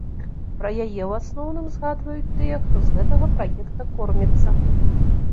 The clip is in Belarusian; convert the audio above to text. Пра яе, у асноўным, згадваюць тыя, хто з гэтага праекта корміцца.